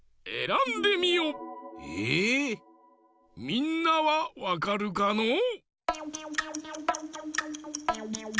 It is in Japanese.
みんなはわかるかのう？